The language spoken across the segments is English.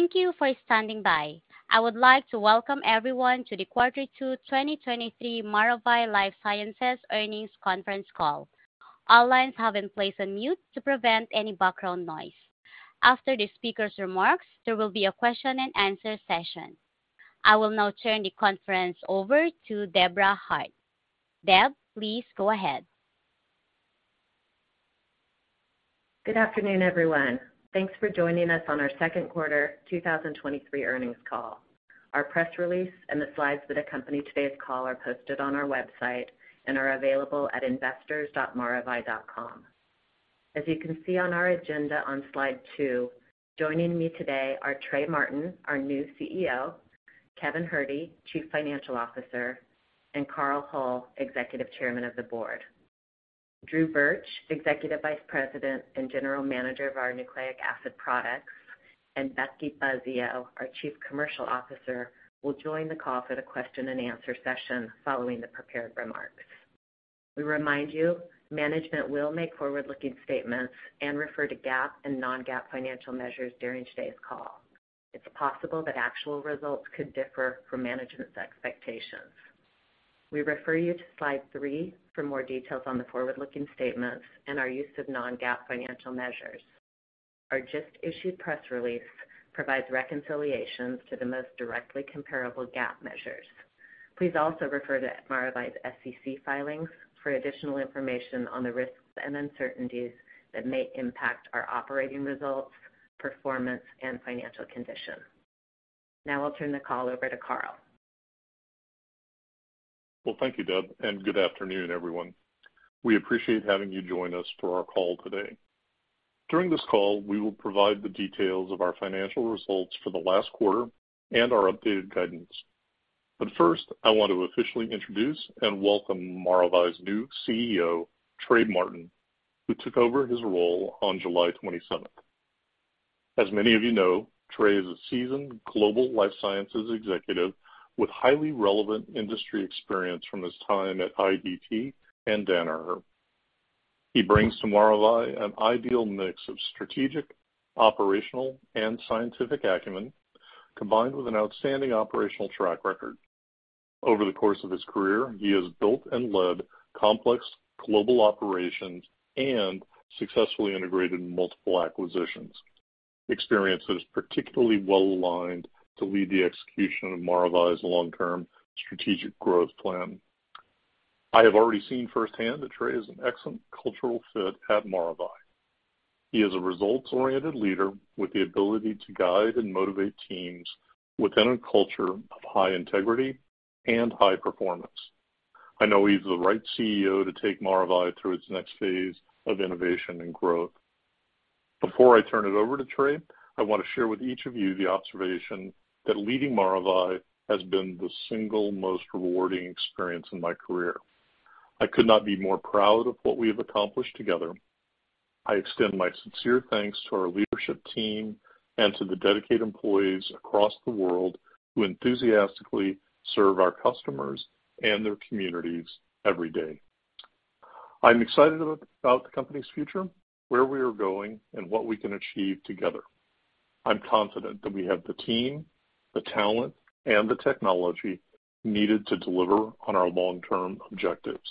Thank you for standing by. I would like to welcome everyone to the Q2 2023 Maravai LifeSciences Earnings Conference Call. All lines have in place on mute to prevent any background noise. After the speaker's remarks, there will be a question and answer session. I will now turn the conference over to Deborah Hart. Deb, please go ahead. Good afternoon, everyone. Thanks for joining us on our second quarter 2023 earnings call. Our press release and the slides that accompany today's call are posted on our website and are available at investors.maravai.com. As you can see on our agenda on slide 2, joining me today are Trey Martin, our new CEO, Kevin Herde, Chief Financial Officer, and Carl Hull, Executive Chairman of the Board. Drew Burch, Executive Vice President and General Manager of our Nucleic Acid Products, and Becky Buzzeo, our Chief Commercial Officer, will join the call for the question and answer session following the prepared remarks. We remind you, management will make forward-looking statements and refer to GAAP and non-GAAP financial measures during today's call. It's possible that actual results could differ from management's expectations. We refer you to slide 3 for more details on the forward-looking statements and our use of non-GAAP financial measures. Our just-issued press release provides reconciliations to the most directly comparable GAAP measures. Please also refer to Maravai's SEC filings for additional information on the risks and uncertainties that may impact our operating results, performance, and financial condition. Now I'll turn the call over to Carl. Well, thank you, Deb, good afternoon, everyone. We appreciate having you join us for our call today. During this call, we will provide the details of our financial results for the last quarter and our updated guidance. First, I want to officially introduce and welcome Maravai's new CEO, Trey Martin, who took over his role on July 27th. As many of you know, Trey is a seasoned global life sciences executive with highly relevant industry experience from his time at IDT and Danaher. He brings to Maravai an ideal mix of strategic, operational, and scientific acumen, combined with an outstanding operational track record. Over the course of his career, he has built and led complex global operations and successfully integrated multiple acquisitions, experiences particularly well-aligned to lead the execution of Maravai's long-term strategic growth plan. I have already seen firsthand that Trey is an excellent cultural fit at Maravai. He is a results-oriented leader with the ability to guide and motivate teams within a culture of high integrity and high performance. I know he's the right CEO to take Maravai through its next phase of innovation and growth. Before I turn it over to Trey, I want to share with each of you the observation that leading Maravai has been the single most rewarding experience in my career. I could not be more proud of what we have accomplished together. I extend my sincere thanks to our leadership team and to the dedicated employees across the world who enthusiastically serve our customers and their communities every day. I'm excited about the company's future, where we are going, and what we can achieve together. I'm confident that we have the team, the talent, and the technology needed to deliver on our long-term objectives.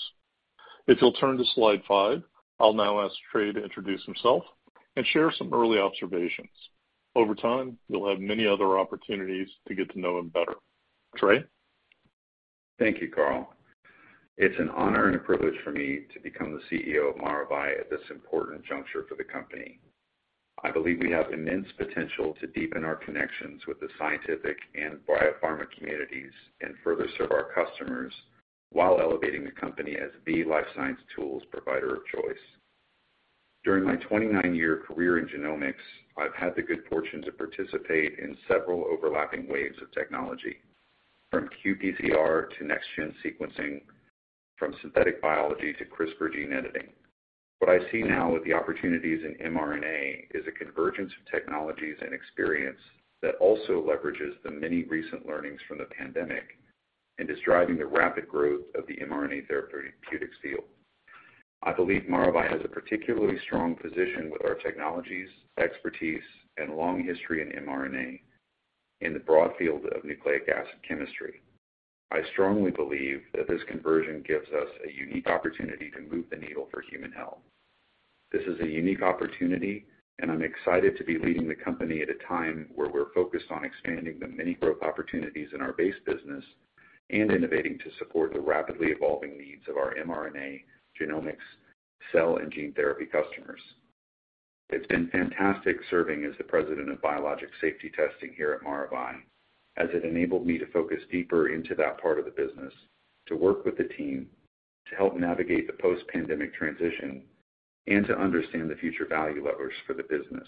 If you'll turn to slide 5, I'll now ask Trey to introduce himself and share some early observations. Over time, you'll have many other opportunities to get to know him better. Trey? Thank you, Carl. It's an honor and a privilege for me to become the CEO of Maravai at this important juncture for the company. I believe we have immense potential to deepen our connections with the scientific and biopharma communities and further serve our customers while elevating the company as the life science tools provider of choice. During my 29-year career in genomics, I've had the good fortune to participate in several overlapping waves of technology, from qPCR to next-gen sequencing, from synthetic biology to CRISPR gene editing. What I see now with the opportunities in mRNA is a convergence of technologies and experience that also leverages the many recent learnings from the pandemic and is driving the rapid growth of the mRNA therapeutic field. I believe Maravai has a particularly strong position with our technologies, expertise, and long history in mRNA in the broad field of nucleic acid chemistry. I strongly believe that this conversion gives us a unique opportunity to move the needle for human health. This is a unique opportunity, and I'm excited to be leading the company at a time where we're focused on expanding the many growth opportunities in our base business and innovating to support the rapidly evolving needs of our mRNA, genomics, cell and gene therapy customers. It's been fantastic serving as the President of Biologics Safety Testing here at Maravai, as it enabled me to focus deeper into that part of the business, to work with the team, to help navigate the post-pandemic transition, and to understand the future value levers for the business.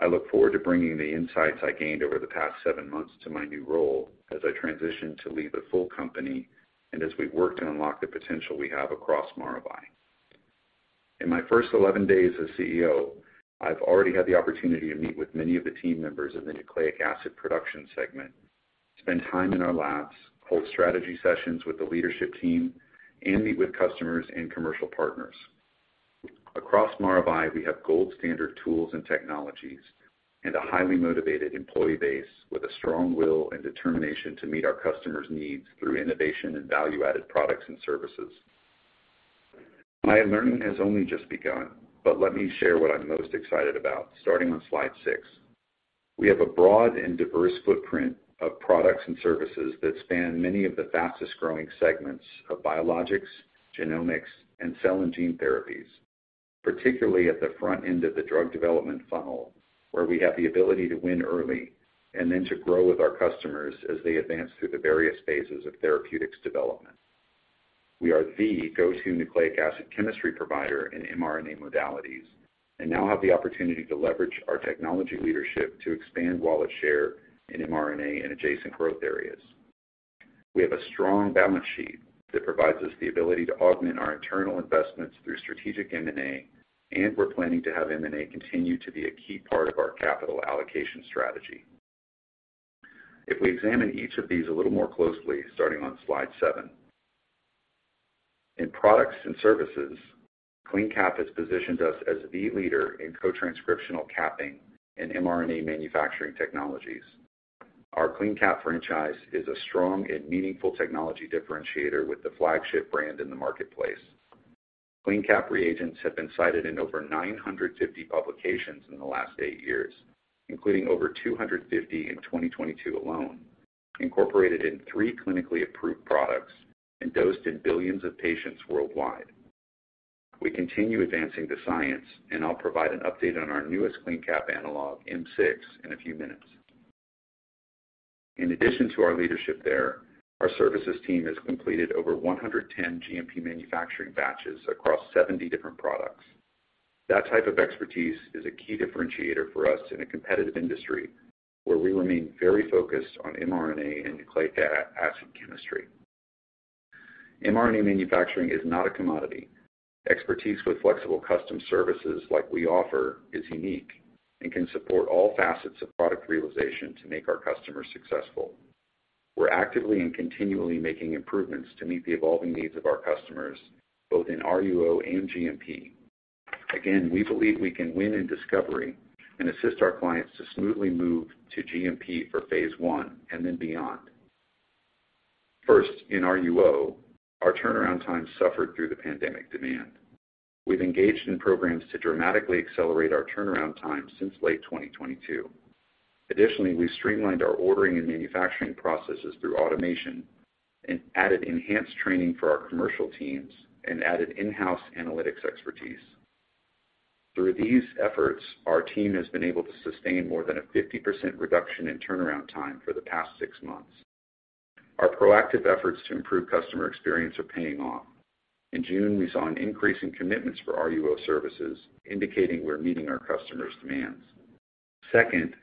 I look forward to bringing the insights I gained over the past seven months to my new role as I transition to lead the full company and as we work to unlock the potential we have across Maravai. In my first 11 days as CEO, I've already had the opportunity to meet with many of the team members of the Nucleic Acid Products segment, spend time in our labs, hold strategy sessions with the leadership team, and meet with customers and commercial partners. Across Maravai, we have gold standard tools and technologies, and a highly motivated employee base with a strong will and determination to meet our customers' needs through innovation and value-added products and services. My learning has only just begun, but let me share what I'm most excited about, starting on slide 6. We have a broad and diverse footprint of products and services that span many of the fastest-growing segments of biologics, genomics, and cell and gene therapies, particularly at the front end of the drug development funnel, where we have the ability to win early and then to grow with our customers as they advance through the various phases of therapeutics development. We are the go-to nucleic acid chemistry provider in mRNA modalities. Now have the opportunity to leverage our technology leadership to expand wallet share in mRNA and adjacent growth areas. We have a strong balance sheet that provides us the ability to augment our internal investments through strategic M&A. We're planning to have M&A continue to be a key part of our capital allocation strategy. If we examine each of these a little more closely, starting on slide 7. In products and services, CleanCap has positioned us as the leader in co-transcriptional capping and mRNA manufacturing technologies. Our CleanCap franchise is a strong and meaningful technology differentiator with the flagship brand in the marketplace. CleanCap reagents have been cited in over 950 publications in the last eight years, including over 250 in 2022 alone, incorporated in three clinically approved products, and dosed in billions of patients worldwide. We continue advancing the science, and I'll provide an update on our newest CleanCap analog, M6, in a few minutes. In addition to our leadership there, our services team has completed over 110 GMP manufacturing batches across 70 different products. That type of expertise is a key differentiator for us in a competitive industry, where we remain very focused on mRNA and nucleic acid chemistry. mRNA manufacturing is not a commodity. Expertise with flexible custom services like we offer is unique and can support all facets of product realization to make our customers successful. We're actively and continually making improvements to meet the evolving needs of our customers, both in RUO and GMP. Again, we believe we can win in discovery and assist our clients to smoothly move to GMP for phase I and then beyond. First, in RUO, our turnaround time suffered through the pandemic demand. We've engaged in programs to dramatically accelerate our turnaround time since late 2022. Additionally, we streamlined our ordering and manufacturing processes through automation, and added enhanced training for our commercial teams, and added in-house analytics expertise. Through these efforts, our team has been able to sustain more than a 50% reduction in turnaround time for the past 6 months. Our proactive efforts to improve customer experience are paying off. In June, we saw an increase in commitments for RUO services, indicating we're meeting our customers' demands. Second,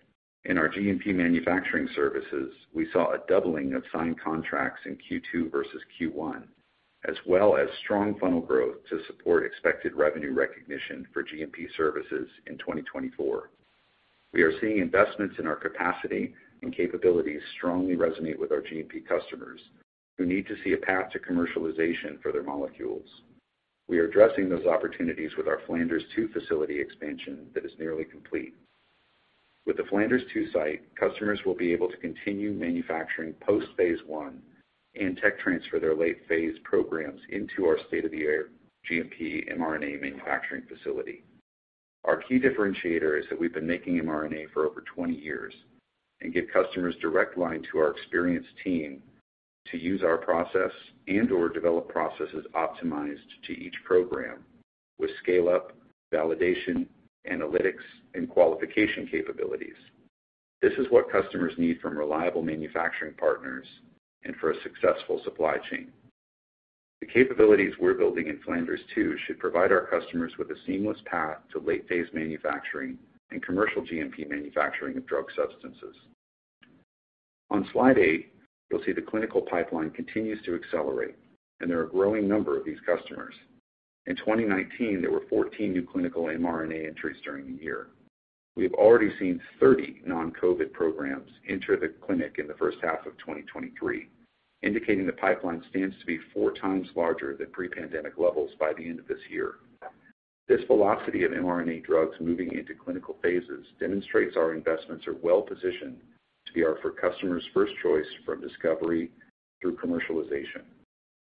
in our GMP manufacturing services, we saw a doubling of signed contracts in Q2 versus Q1, as well as strong funnel growth to support expected revenue recognition for GMP services in 2024. We are seeing investments in our capacity and capabilities strongly resonate with our GMP customers, who need to see a path to commercialization for their molecules. We are addressing those opportunities with our Flanders II facility expansion that is nearly complete. With the Flanders II site, customers will be able to continue manufacturing post-phase I and tech transfer their late-phase programs into our state-of-the-art GMP mRNA manufacturing facility. Our key differentiator is that we've been making mRNA for over 20 years and give customers direct line to our experienced team to use our process and/or develop processes optimized to each program with scale-up, validation, analytics, and qualification capabilities. This is what customers need from reliable manufacturing partners and for a successful supply chain. The capabilities we're building in Flanders II should provide our customers with a seamless path to late-phase manufacturing and commercial GMP manufacturing of drug substances. On slide 8, you'll see the clinical pipeline continues to accelerate, and there are a growing number of these customers. In 2019, there were 14 new clinical mRNA entries during the year. We have already seen 30 non-COVID programs enter the clinic in the first half of 2023, indicating the pipeline stands to be 4 times larger than pre-pandemic levels by the end of this year. This velocity of mRNA drugs moving into clinical phases demonstrates our investments are well positioned to be for customers' first choice from discovery through commercialization.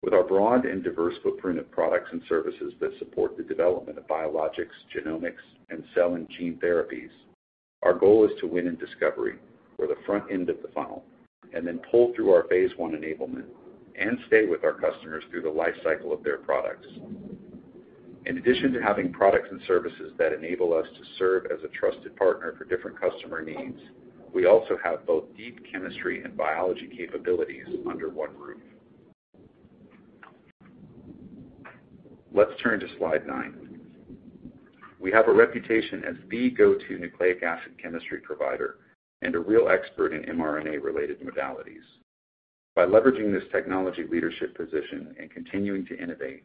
With our broad and diverse footprint of products and services that support the development of biologics, genomics, and cell and gene therapies, our goal is to win in discovery or the front end of the funnel, and then pull through our phase I enablement and stay with our customers through the life cycle of their products. In addition to having products and services that enable us to serve as a trusted partner for different customer needs, we also have both deep chemistry and biology capabilities under one roof. Let's turn to slide 9. We have a reputation as the go-to nucleic acid chemistry provider and a real expert in mRNA-related modalities. By leveraging this technology leadership position and continuing to innovate,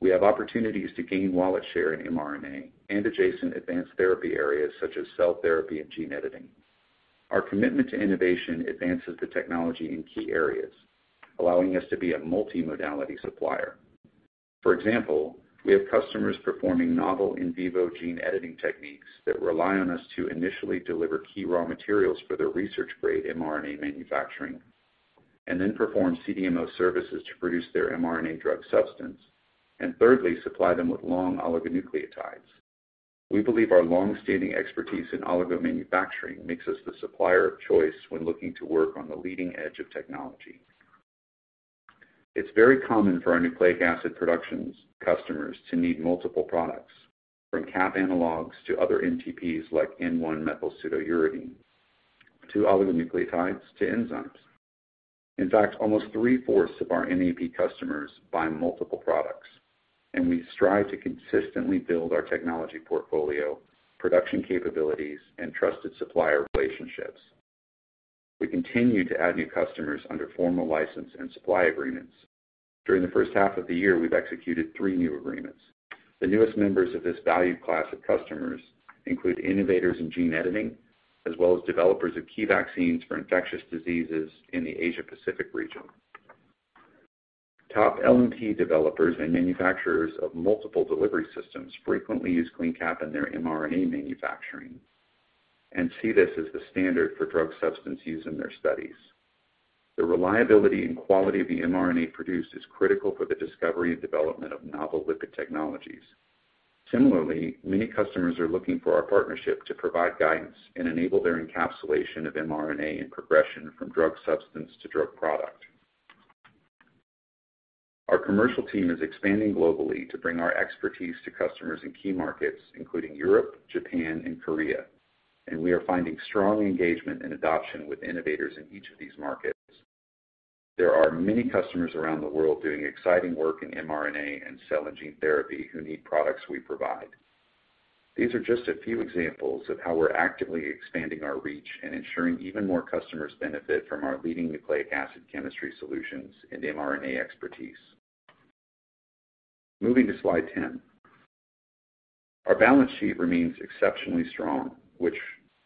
we have opportunities to gain wallet share in mRNA and adjacent advanced therapy areas such as cell therapy and gene editing. Our commitment to innovation advances the technology in key areas, allowing us to be a multimodality supplier. For example, we have customers performing novel in vivo gene editing techniques that rely on us to initially deliver key raw materials for their research-grade mRNA manufacturing, and then perform CDMO services to produce their mRNA drug substance, and thirdly, supply them with long oligonucleotides. We believe our long-standing expertise in oligo manufacturing makes us the supplier of choice when looking to work on the leading edge of technology. It's very common for our nucleic acid productions customers to need multiple products, from cap analogs to other NTPs, like N1-methylpseudouridine, to oligonucleotides, to enzymes. In fact, almost three-fourths of our NAP customers buy multiple products, and we strive to consistently build our technology portfolio, production capabilities, and trusted supplier relationships. We continue to add new customers under formal license and supply agreements. During the first half of the year, we've executed three new agreements. The newest members of this valued class of customers include innovators in gene editing, as well as developers of key vaccines for infectious diseases in the Asia Pacific region. Top LNP developers and manufacturers of multiple delivery systems frequently use CleanCap in their mRNA manufacturing, and see this as the standard for drug substance used in their studies. The reliability and quality of the mRNA produced is critical for the discovery and development of novel lipid technologies. Similarly, many customers are looking for our partnership to provide guidance and enable their encapsulation of mRNA and progression from drug substance to drug product. Our commercial team is expanding globally to bring our expertise to customers in key markets, including Europe, Japan, and Korea, and we are finding strong engagement and adoption with innovators in each of these markets. There are many customers around the world doing exciting work in mRNA and cell and gene therapy who need products we provide. These are just a few examples of how we're actively expanding our reach and ensuring even more customers benefit from our leading nucleic acid chemistry solutions and mRNA expertise. Moving to slide 10. Our balance sheet remains exceptionally strong, which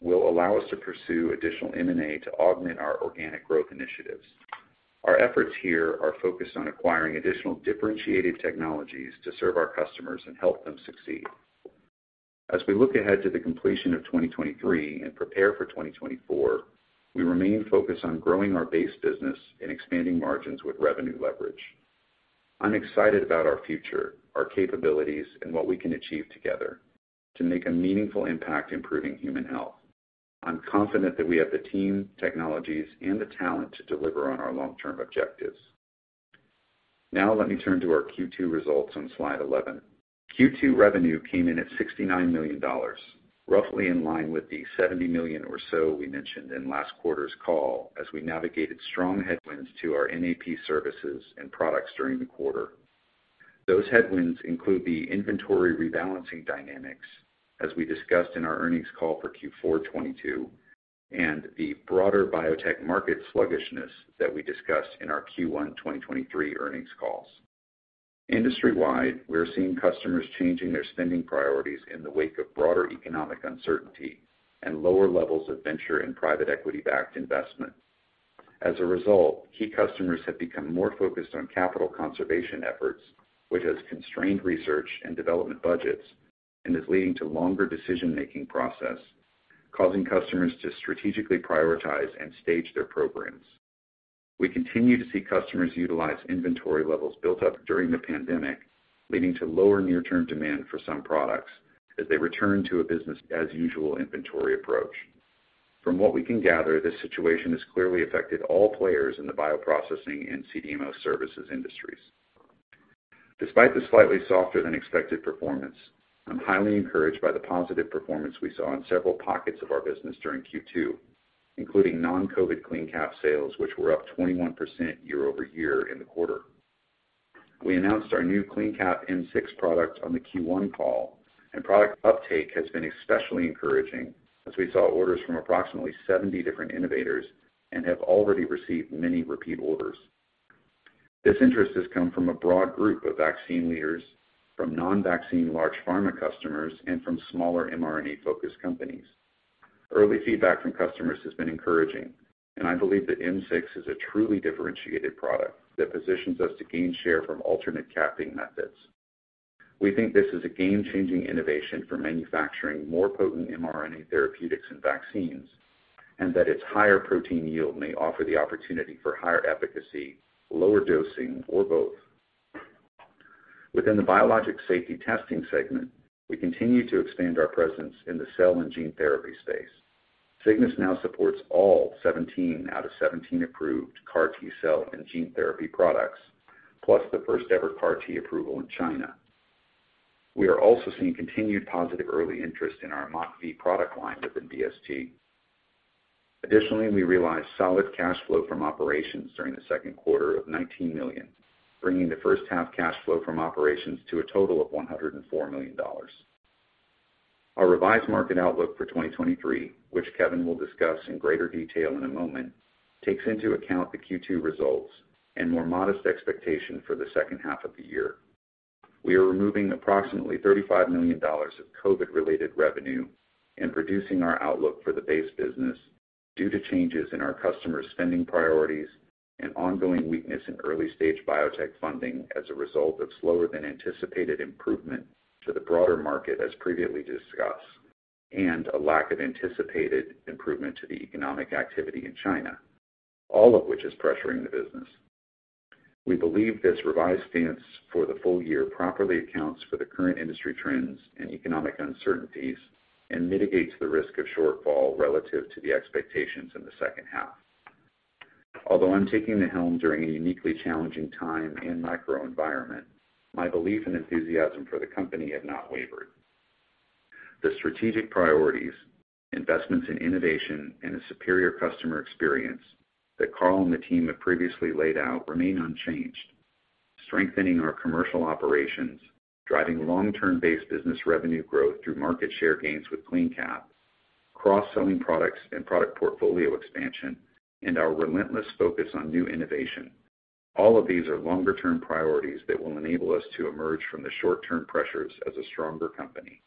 will allow us to pursue additional M&A to augment our organic growth initiatives. Our efforts here are focused on acquiring additional differentiated technologies to serve our customers and help them succeed. As we look ahead to the completion of 2023 and prepare for 2024, we remain focused on growing our base business and expanding margins with revenue leverage. I'm excited about our future, our capabilities, and what we can achieve together to make a meaningful impact improving human health. I'm confident that we have the team, technologies, and the talent to deliver on our long-term objectives. Let me turn to our Q2 results on slide 11. Q2 revenue came in at $69 million, roughly in line with the $70 million or so we mentioned in last quarter's call, as we navigated strong headwinds to our NAP services and products during the quarter. Those headwinds include the inventory rebalancing dynamics, as we discussed in our earnings call for Q4 2022, and the broader biotech market sluggishness that we discussed in our Q1 2023 earnings calls. Industry-wide, we're seeing customers changing their spending priorities in the wake of broader economic uncertainty and lower levels of venture and private equity-backed investment. As a result, key customers have become more focused on capital conservation efforts, which has constrained research and development budgets and is leading to longer decision-making process, causing customers to strategically prioritize and stage their programs. We continue to see customers utilize inventory levels built up during the pandemic, leading to lower near-term demand for some products as they return to a business-as-usual inventory approach. From what we can gather, this situation has clearly affected all players in the bioprocessing and CDMO services industries. Despite the slightly softer than expected performance, I'm highly encouraged by the positive performance we saw in several pockets of our business during Q2, including non-COVID CleanCap sales, which were up 21% year-over-year in the quarter. We announced our new CleanCap M6 product on the Q1 call, and product uptake has been especially encouraging, as we saw orders from approximately 70 different innovators and have already received many repeat orders. This interest has come from a broad group of vaccine leaders, from non-vaccine large pharma customers, and from smaller mRNA-focused companies. Early feedback from customers has been encouraging, and I believe that M6 is a truly differentiated product that positions us to gain share from alternate capping methods. We think this is a game-changing innovation for manufacturing more potent mRNA therapeutics and vaccines, that its higher protein yield may offer the opportunity for higher efficacy, lower dosing, or both. Within the Biologics Safety Testing segment, we continue to expand our presence in the cell and gene therapy space. Cygnus now supports all 17 out of 17 approved CAR T-cell and gene therapy products, plus the first-ever CAR T approval in China. We are also seeing continued positive early interest in our MockV product line within BST. Additionally, we realized solid cash flow from operations during the second quarter of $19 million, bringing the first half cash flow from operations to a total of $104 million. Our revised market outlook for 2023, which Kevin will discuss in greater detail in a moment, takes into account the Q2 results and more modest expectation for the second half of the year. We are removing approximately $35 million of COVID-related revenue and reducing our outlook for the base business due to changes in our customers' spending priorities and ongoing weakness in early-stage biotech funding as a result of slower than anticipated improvement to the broader market, as previously discussed, and a lack of anticipated improvement to the economic activity in China, all of which is pressuring the business. We believe this revised stance for the full year properly accounts for the current industry trends and economic uncertainties, and mitigates the risk of shortfall relative to the expectations in the second half. Although I'm taking the helm during a uniquely challenging time and microenvironment, my belief and enthusiasm for the company have not wavered. The strategic priorities, investments in innovation, and a superior customer experience that Carl and the team have previously laid out remain unchanged. Strengthening our commercial operations, driving long-term base business revenue growth through market share gains with CleanCap, cross-selling products and product portfolio expansion, and our relentless focus on new innovation. All of these are longer-term priorities that will enable us to emerge from the short-term pressures as a stronger company.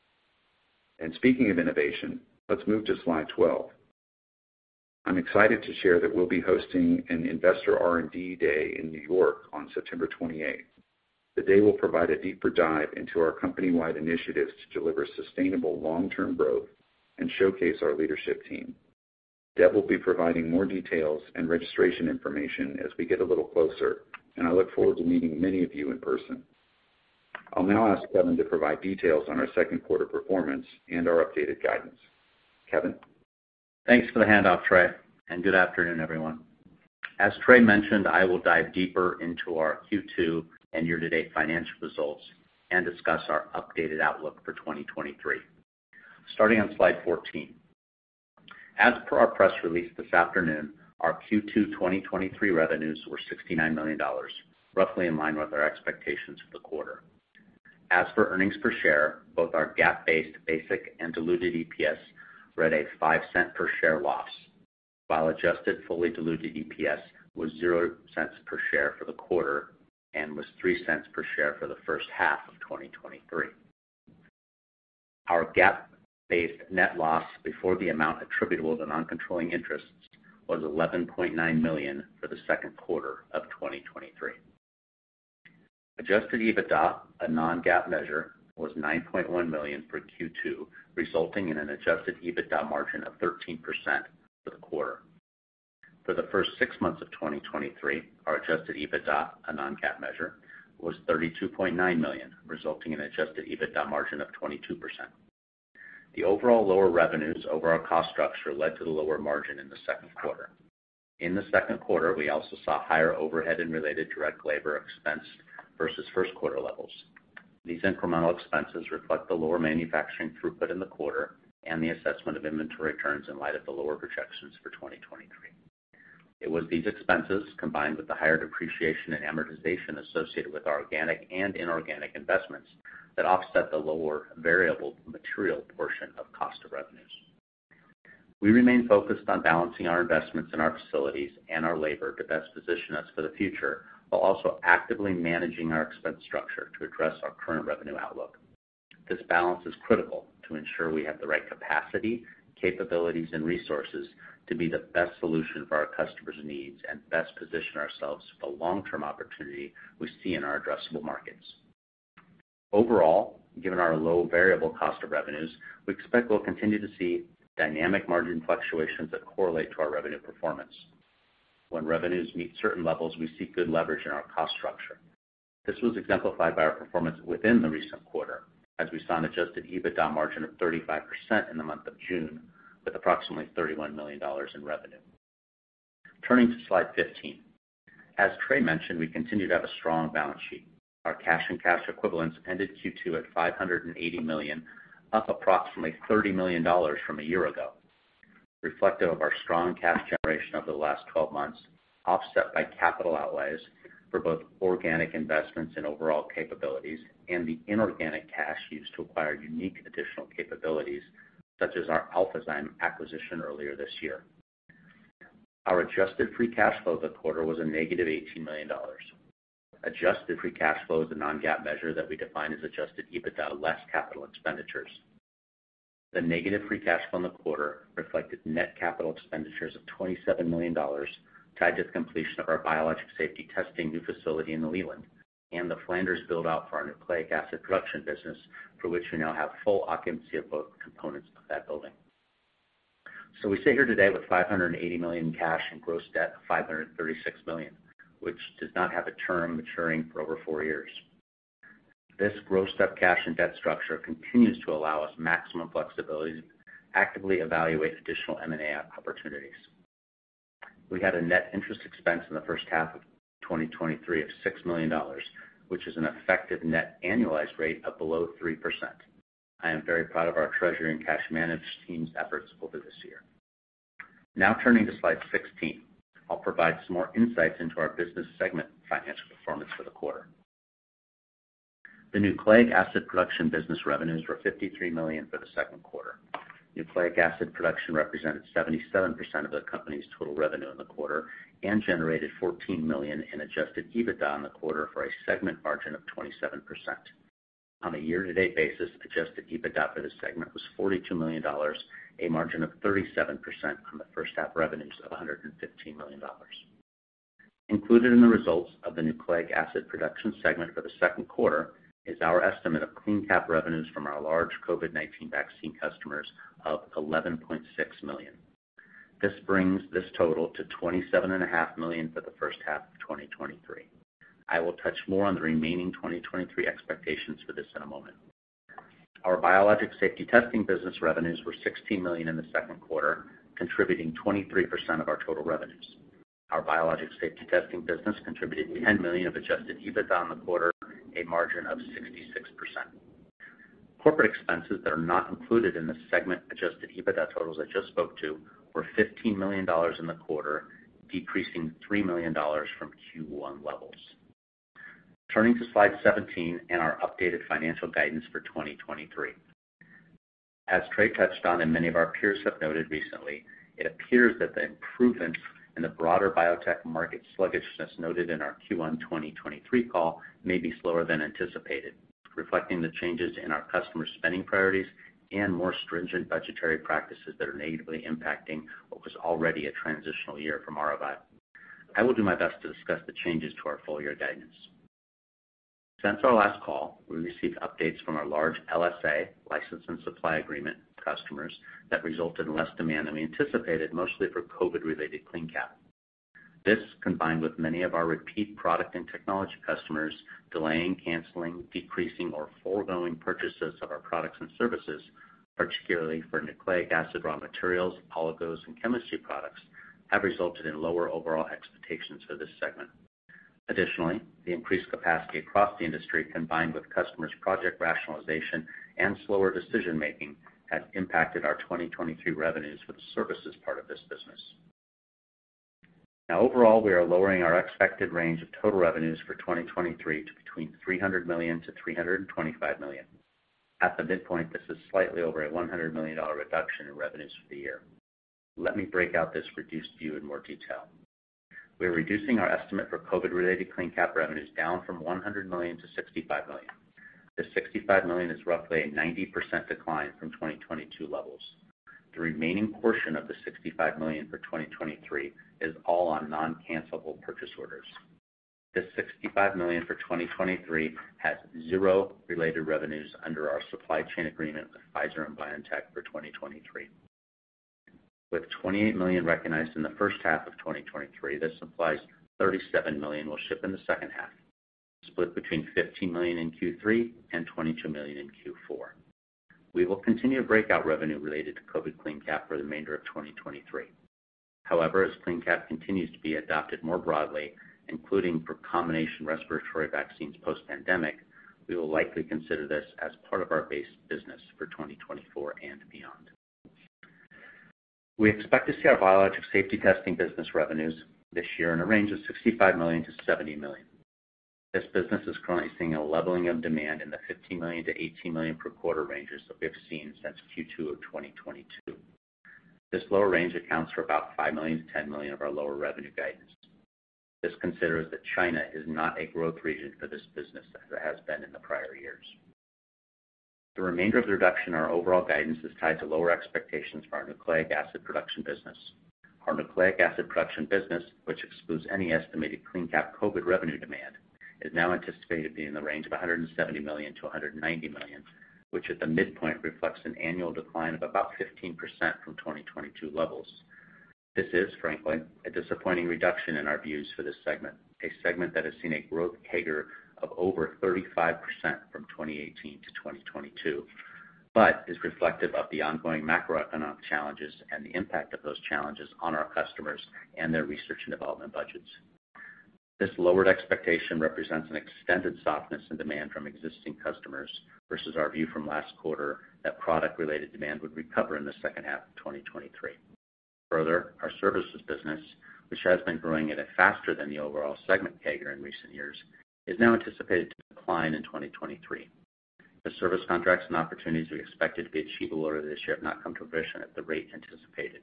Speaking of innovation, let's move to slide 12. I'm excited to share that we'll be hosting an investor R&D day in New York on September 28th. The day will provide a deeper dive into our company-wide initiatives to deliver sustainable long-term growth and showcase our leadership team. Deb will be providing more details and registration information as we get a little closer, I look forward to meeting many of you in person. I'll now ask Kevin to provide details on our second quarter performance and our updated guidance. Kevin? Thanks for the handoff, Trey. Good afternoon, everyone. As Trey mentioned, I will dive deeper into our Q2 and year-to-date financial results and discuss our updated outlook for 2023. Starting on slide 14. As per our press release this afternoon, our Q2 2023 revenues were $69 million, roughly in line with our expectations for the quarter. As for earnings per share, both our GAAP-based basic and diluted EPS read a $0.05 per share loss, while adjusted fully diluted EPS was $0.00 per share for the quarter and was $0.03 per share for the first half of 2023. Our GAAP-based net loss before the amount attributable to non-controlling interests was $11.9 million for the second quarter of 2023. Adjusted EBITDA, a non-GAAP measure, was $9.1 million for Q2, resulting in an adjusted EBITDA margin of 13% for the quarter. For the first six months of 2023, our adjusted EBITDA, a non-GAAP measure, was $32.9 million, resulting in adjusted EBITDA margin of 22%. The overall lower revenues, overall cost structure led to the lower margin in the second quarter. In the second quarter, we also saw higher overhead and related direct labor expense versus first quarter levels. These incremental expenses reflect the lower manufacturing throughput in the quarter and the assessment of inventory turns in light of the lower projections for 2023. It was these expenses, combined with the higher depreciation and amortization associated with our organic and inorganic investments, that offset the lower variable material portion of cost of revenues. We remain focused on balancing our investments in our facilities and our labor to best position us for the future, while also actively managing our expense structure to address our current revenue outlook. This balance is critical to ensure we have the right capacity, capabilities, and resources to be the best solution for our customers' needs and best position ourselves for the long-term opportunity we see in our addressable markets. Overall, given our low variable cost of revenues, we expect we'll continue to see dynamic margin fluctuations that correlate to our revenue performance. When revenues meet certain levels, we see good leverage in our cost structure. This was exemplified by our performance within the recent quarter, as we saw an adjusted EBITDA margin of 35% in the month of June, with approximately $31 million in revenue. Turning to slide 15. As Trey mentioned, we continue to have a strong balance sheet. Our cash and cash equivalents ended Q2 at $580 million, up approximately $30 million from a year ago, reflective of our strong cash generation over the last 12 months, offset by capital outlays for both organic investments and overall capabilities, and the inorganic cash used to acquire unique additional capabilities, such as our Alphazyme acquisition earlier this year. Our adjusted free cash flow of the quarter was -$18 million. Adjusted free cash flow is a non-GAAP measure that we define as adjusted EBITDA less capital expenditures. The negative free cash flow in the quarter reflected net capital expenditures of $27 million, tied to the completion of our Biologics Safety Testing new facility in New England, and the Flanders build-out for our Nucleic Acid Products business, for which we now have full occupancy of both components of that building. We sit here today with $580 million in cash and gross debt of $536 million, which does not have a term maturing for over 4 years. This grossed up cash and debt structure continues to allow us maximum flexibility to actively evaluate additional M&A opportunities. We had a net interest expense in the first half of 2023 of $6 million, which is an effective net annualized rate of below 3%. I am very proud of our treasury and cash management team's efforts over this year. Now turning to slide 16. I'll provide some more insights into our business segment financial performance for the quarter. The Nucleic Acid Products business revenues were $53 million for the second quarter. Nucleic Acid Products represented 77% of the company's total revenue in the quarter and generated $14 million in Adjusted EBITDA in the quarter for a segment margin of 27%. On a year-to-date basis, Adjusted EBITDA for this segment was $42 million, a margin of 37% on the first half revenues of $115 million. Included in the results of the Nucleic Acid Products segment for the second quarter is our estimate of CleanCap revenues from our large COVID-19 vaccine customers of $11.6 million. This brings this total to $27.5 million for the first half of 2023. I will touch more on the remaining 2023 expectations for this in a moment. Our Biologics Safety Testing business revenues were $16 million in the second quarter, contributing 23% of our total revenues. Our Biologics Safety Testing business contributed $10 million of Adjusted EBITDA in the quarter, a margin of 66%. Corporate expenses that are not included in the segment Adjusted EBITDA totals I just spoke to, were $15 million in the quarter, decreasing $3 million from Q1 levels. Turning to slide 17 and our updated financial guidance for 2023. As Trey touched on, many of our peers have noted recently, it appears that the improvement in the broader biotech market sluggishness noted in our Q1 2023 call may be slower than anticipated, reflecting the changes in our customer spending priorities and more stringent budgetary practices that are negatively impacting what was already a transitional year from our view. I will do my best to discuss the changes to our full year guidance. Since our last call, we received updates from our large LSA, license and supply agreement, customers that resulted in less demand than we anticipated, mostly for COVID-related CleanCap. This, combined with many of our repeat product and technology customers delaying, canceling, decreasing or foregoing purchases of our products and services, particularly for nucleic acid, raw materials, oligos, and chemistry products, have resulted in lower overall expectations for this segment. Additionally, the increased capacity across the industry, combined with customers' project rationalization and slower decision-making, has impacted our 2023 revenues for the services part of this business. Now overall, we are lowering our expected range of total revenues for 2023 to between $300 million-$325 million. At the midpoint, this is slightly over a $100 million reduction in revenues for the year. Let me break out this reduced view in more detail. We are reducing our estimate for COVID-related CleanCap revenues down from $100 million to $65 million. The $65 million is roughly a 90% decline from 2022 levels. The remaining portion of the $65 million for 2023 is all on non-cancellable purchase orders. This $65 million for 2023 has zero related revenues under our supply chain agreement with Pfizer and BioNTech for 2023. With $28 million recognized in the first half of 2023, this supplies $37 million will ship in the second half, split between $15 million in Q3 and $22 million in Q4. We will continue to break out revenue related to COVID CleanCap for the remainder of 2023. However, as CleanCap continues to be adopted more broadly, including for combination respiratory vaccines post-pandemic, we will likely consider this as part of our base business for 2024 and beyond. We expect to see our Biologics Safety Testing business revenues this year in a range of $65 million-$70 million. This business is currently seeing a leveling of demand in the $15 million-$18 million per quarter ranges that we have seen since Q2 of 2022. This lower range accounts for about $5 million-$10 million of our lower revenue guidance. This considers that China is not a growth region for this business as it has been in the prior years. The remainder of the reduction in our overall guidance is tied to lower expectations for our nucleic acid production business. Our nucleic acid production business, which excludes any estimated CleanCap COVID revenue demand, is now anticipated to be in the range of $170 million-$190 million, which at the midpoint reflects an annual decline of about 15% from 2022 levels. This is frankly a disappointing reduction in our views for this segment, a segment that has seen a growth CAGR of over 35% from 2018 to 2022, but is reflective of the ongoing macroeconomic challenges and the impact of those challenges on our customers and their research and development budgets. This lowered expectation represents an extended softness in demand from existing customers versus our view from last quarter that product-related demand would recover in the second half of 2023. Further, our services business, which has been growing at a faster than the overall segment CAGR in recent years, is now anticipated to decline in 2023. The service contracts and opportunities we expected to be achievable order this year have not come to fruition at the rate anticipated.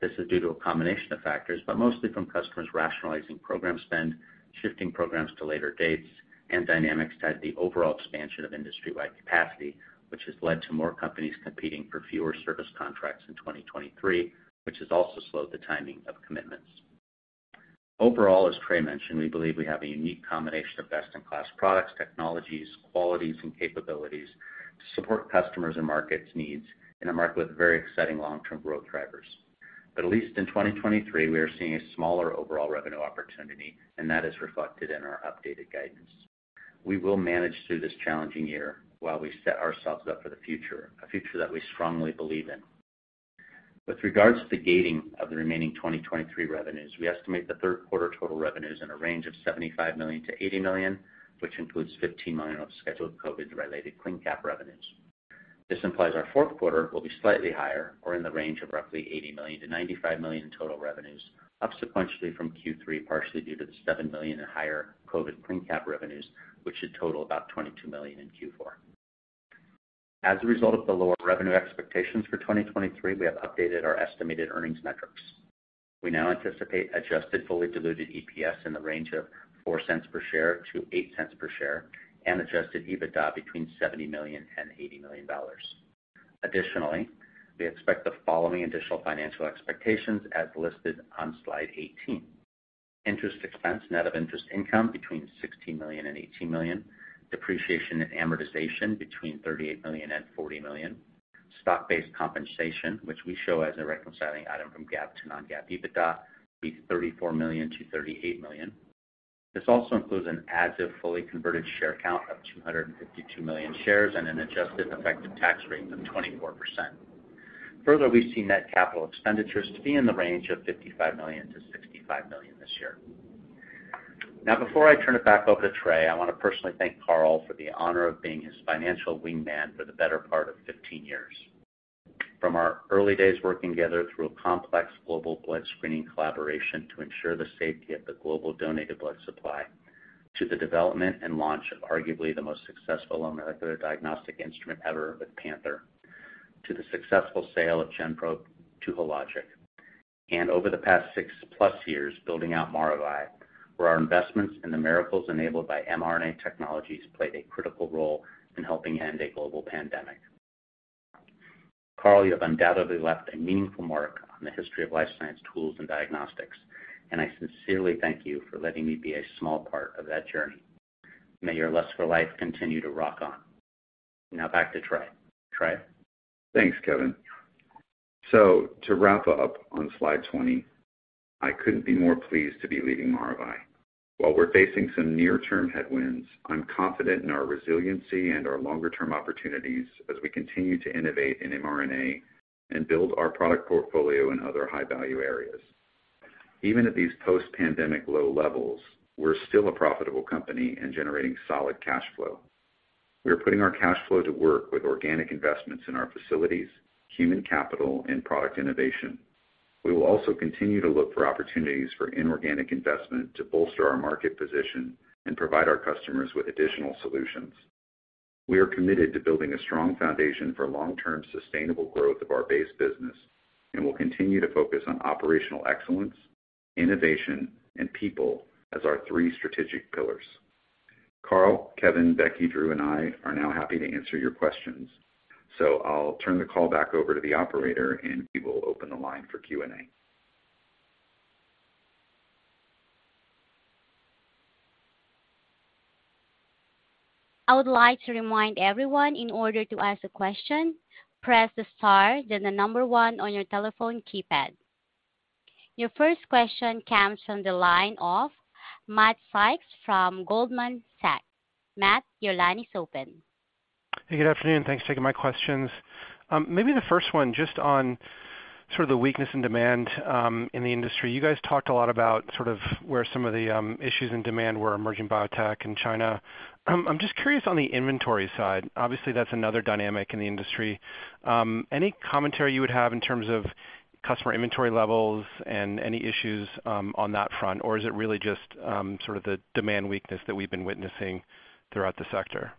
This is due to a combination of factors, but mostly from customers rationalizing program spend, shifting programs to later dates, and dynamics tied to the overall expansion of industry-wide capacity, which has led to more companies competing for fewer service contracts in 2023, which has also slowed the timing of commitments. Overall, as Trey mentioned, we believe we have a unique combination of best-in-class products, technologies, qualities, and capabilities to support customers and markets needs in a market with very exciting long-term growth drivers. At least in 2023, we are seeing a smaller overall revenue opportunity and that is reflected in our updated guidance. We will manage through this challenging year while we set ourselves up for the future, a future that we strongly believe in. With regards to the gating of the remaining 2023 revenues, we estimate the third quarter total revenues in a range of $75 million-$80 million, which includes $15 million of scheduled COVID-related CleanCap revenues. This implies our fourth quarter will be slightly higher or in the range of roughly $80 million-$95 million in total revenues, up sequentially from Q3, partially due to the $7 million and higher COVID CleanCap revenues, which should total about $22 million in Q4. As a result of the lower revenue expectations for 2023, we have updated our estimated earnings metrics. We now anticipate adjusted fully diluted EPS in the range of $0.04-$0.08 per share, and adjusted EBITDA between $70 million and $80 million. Additionally, we expect the following additional financial expectations as listed on slide 18. Interest expense net of interest income between $16 million and $18 million, depreciation and amortization between $38 million and $40 million. Stock-based compensation, which we show as a reconciling item from GAAP to non-GAAP EBITDA, be $34 million-$38 million. This also includes an as if fully converted share count of 252 million shares and an adjusted effective tax rate of 24%. Further, we see net capital expenditures to be in the range of $55 million-$65 million this year. Now, before I turn it back over to Trey, I want to personally thank Carl for the honor of being his financial wingman for the better part of 15 years. From our early days working together through a complex global blood screening collaboration to ensure the safety of the global donated blood supply, to the development and launch of arguably the most successful molecular diagnostic instrument ever with Panther, to the successful sale of Gen-Probe to Hologic, over the past six-plus years, building out Maravai, where our investments in the miracles enabled by mRNA technologies played a critical role in helping end a global pandemic. Carl, you have undoubtedly left a meaningful mark on the history of life science tools and diagnostics, and I sincerely thank you for letting me be a small part of that journey. May your lust for life continue to rock on. Now back to Trey. Trey? Thanks, Kevin. To wrap up on slide 20, I couldn't be more pleased to be leading Maravai. While we're facing some near-term headwinds, I'm confident in our resiliency and our longer-term opportunities as we continue to innovate in mRNA and build our product portfolio in other high-value areas. Even at these post-pandemic low levels, we're still a profitable company and generating solid cash flow. We are putting our cash flow to work with organic investments in our facilities, human capital, and product innovation. We will also continue to look for opportunities for inorganic investment to bolster our market position and provide our customers with additional solutions. We are committed to building a strong foundation for long-term, sustainable growth of our base business, and we'll continue to focus on operational excellence, innovation, and people as our three strategic pillars. Carl, Kevin, Becky, Drew, and I are now happy to answer your questions. I'll turn the call back over to the operator, and he will open the line for Q&A. I would like to remind everyone, in order to ask a question, press the star, then the number 1 on your telephone keypad. Your first question comes from the line of Matt Sykes from Goldman Sachs. Matt, your line is open. Hey, good afternoon. Thanks for taking my questions. Maybe the first one, just on sort of the weakness in demand in the industry. You guys talked a lot about sort of where some of the issues in demand were emerging, biotech in China. I'm just curious on the inventory side. Obviously, that's another dynamic in the industry. Any commentary you would have in terms of customer inventory levels and any issues on that front? Or is it really just sort of the demand weakness that we've been witnessing throughout the sector?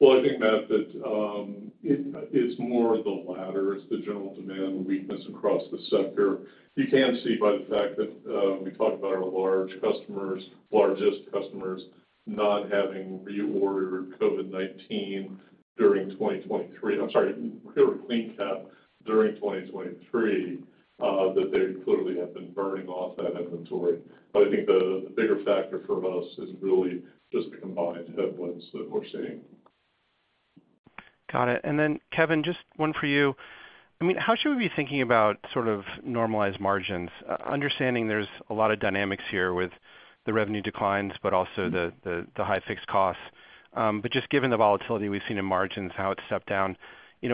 Well, I think, Matt, that it, it's more of the latter. It's the general demand weakness across the sector. You can see by the fact that we talked about our large customers, largest customers, not having reordered COVID-19 during 2023-- I'm sorry, CleanCap during 2023, that they clearly have been burning off that inventory. I think the bigger factor for us is really just the combined headwinds that we're seeing. Got it. Then, Kevin, just one for you. I mean, how should we be thinking about sort of normalized margins? Understanding there's a lot of dynamics here with the revenue declines, but also the, the, the high fixed costs. But just given the volatility we've seen in margins, how it's stepped down,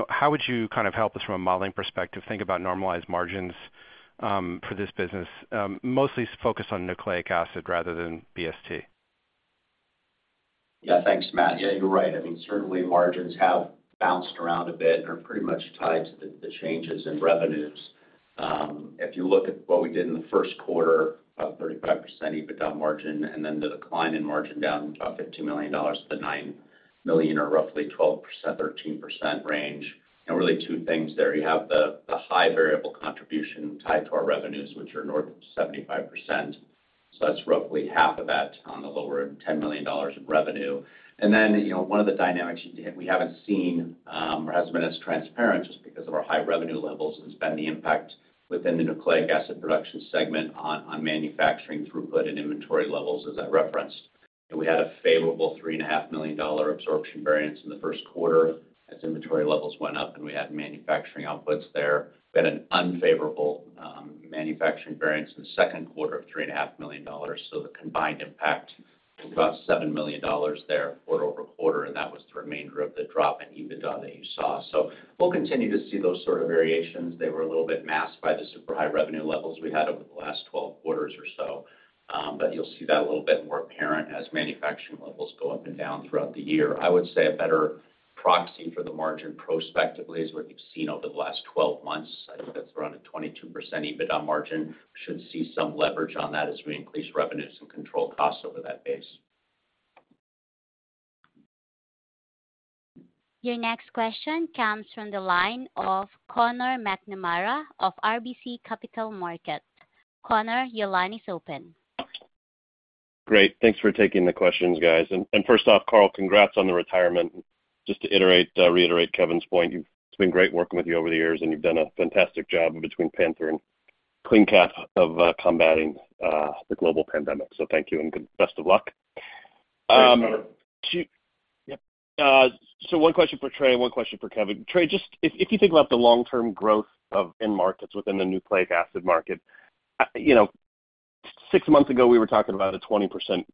how would you kind of help us, from a modeling perspective, think about normalized margins for this business, mostly focused on nucleic acid rather than BST? Yeah, thanks, Matt. Yeah, you're right. I mean, certainly margins have bounced around a bit and are pretty much tied to the, the changes in revenues. If you look at what we did in the first quarter, about 35% EBITDA margin, then the decline in margin down from about $52 million to $9 million, or roughly 12%, 13% range. Really two things there. You have the, the high variable contribution tied to our revenues, which are north of 75%, so that's roughly half of that on the lower $10 million of revenue. Then, you know, one of the dynamics we haven't seen, or hasn't been as transparent just because of our high revenue levels, has been the impact within the Nucleic Acid Products segment on, on manufacturing throughput and inventory levels, as I referenced. We had a favorable $3.5 million absorption variance in the first quarter as inventory levels went up, and we had manufacturing outputs there. We had an unfavorable manufacturing variance in the second quarter of $3.5 million, so the combined impact was about $7 million there quarter-over-quarter, and that was the remainder of the drop in EBITDA that you saw. We'll continue to see those sort of variations. They were a little bit masked by the super high revenue levels we had over the last 12 quarters or so, but you'll see that a little bit more apparent as manufacturing levels go up and down throughout the year. I would say a better proxy for the margin prospectively is what you've seen over the last 12 months. I think that's around a 22% EBITDA margin. Should see some leverage on that as we increase revenues and control costs over that base. Your next question comes from the line of Conor McNamara of RBC Capital Markets. Conor, your line is open. Great. Thanks for taking the questions, guys. First off, Carl, congrats on the retirement. Just to iterate, reiterate Kevin's point, you've, it's been great working with you over the years, and you've done a fantastic job between Panther and CleanCap of combating the global pandemic. Thank you, and best of luck. Two- Yep. One question for Trey and one question for Kevin. Trey, just if, if you think about the long-term growth of end markets within the nucleic acid market, you know, six months ago, we were talking about a 20%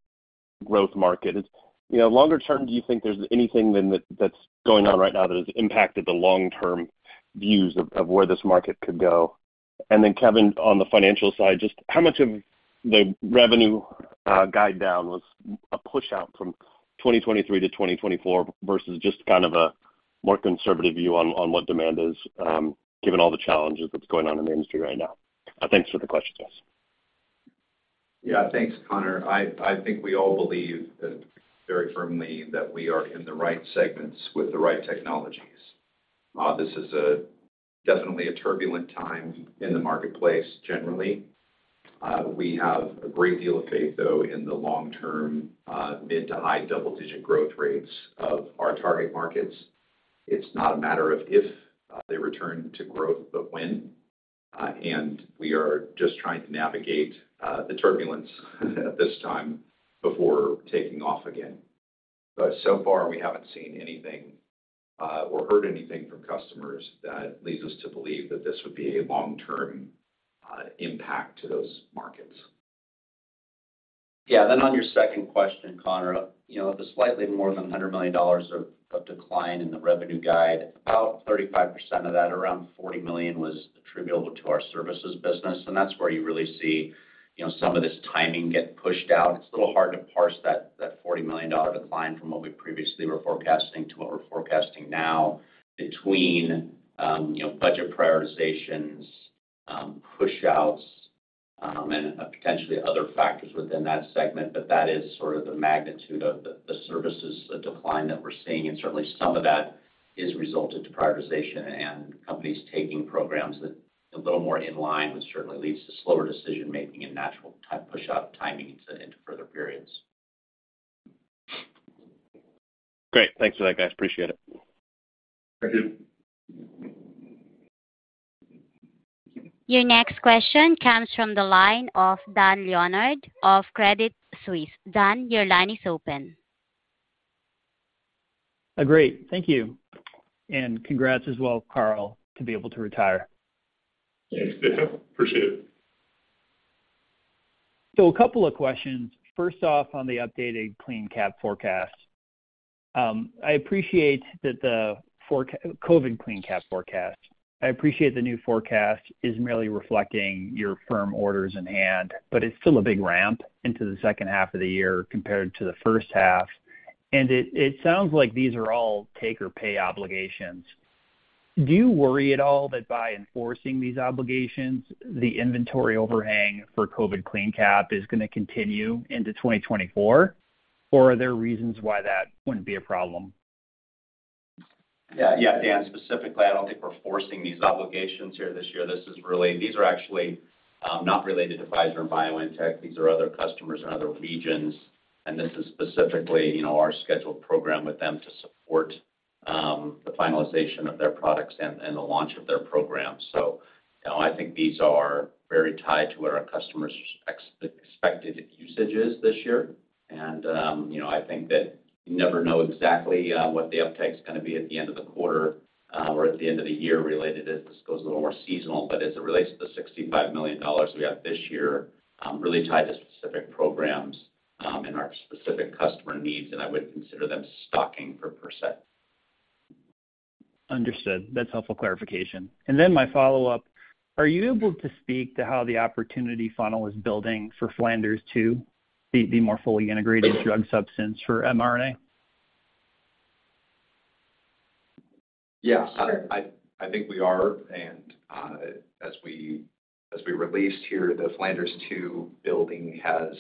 growth market. It's, you know, longer term, do you think there's anything then that, that's going on right now that has impacted the long-term views of, of where this market could go? Kevin, on the financial side, just how much of the revenue guide down was a pushout from 2023 to 2024, versus just kind of a more conservative view on, on what demand is, given all the challenges that's going on in the industry right now? Thanks for the questions. Yeah. Thanks, Conor. I, I think we all believe that very firmly that we are in the right segments with the right technologies. This is a definitely a turbulent time in the marketplace generally. We have a great deal of faith, though, in the long-term, mid to high double-digit growth rates of our target markets. It's not a matter of if, they return to growth, but when, and we are just trying to navigate, the turbulence at this time before taking off again. So far, we haven't seen anything, or heard anything from customers that leads us to believe that this would be a long-term, impact to those markets. Yeah, on your second question, Conor, you know, the slightly more than $100 million of, of decline in the revenue guide, about 35% of that, around $40 million, was attributable to our services business, and that's where you really see, you know, some of this timing get pushed out. It's a little hard to parse that, that $40 million decline from what we previously were forecasting to what we're forecasting now between, you know, budget prioritizations, pushouts, and potentially other factors within that segment. That is sort of the magnitude of the, the services decline that we're seeing, and certainly some of that is a result of deprioritization and companies taking programs that a little more in line, which certainly leads to slower decision-making and natural pushout timing into, into further periods. Great. Thanks for that, guys. Appreciate it. Thank you. Your next question comes from the line of Dan Leonard of Credit Suisse. Dan, your line is open. Great. Thank you, and congrats as well, Carl, to be able to retire. Thanks, Dan. Appreciate it. A couple of questions. First off, on the updated CleanCap forecast, I appreciate that the COVID CleanCap forecast. I appreciate the new forecast is merely reflecting your firm orders in hand, but it's still a big ramp into the second half of the year compared to the first half, and it, it sounds like these are all take or pay obligations. Do you worry at all that by enforcing these obligations, the inventory overhang for COVID CleanCap is going to continue into 2024, or are there reasons why that wouldn't be a problem? Yeah. Yeah, Dan, specifically, I don't think we're forcing these obligations here this year. This is really. These are actually not related to Pfizer and BioNTech. These are other customers in other regions. This is specifically, you know, our scheduled program with them to support the finalization of their products and the launch of their programs. You know, I think these are very tied to what our customers expected usages this year. You know, I think that you never know exactly what the uptake is going to be at the end of the quarter or at the end of the year related as this goes a little more seasonal. As it relates to the $65 million we have this year, really tied to specific programs, and our specific customer needs, and I wouldn't consider them stocking per se. Understood. That's helpful clarification. My follow-up: Are you able to speak to how the opportunity funnel is building for Flanders 2, the more fully integrated drug substance for mRNA? Yeah. I, I think we are, as we, as we released here, the Flanders 2 building has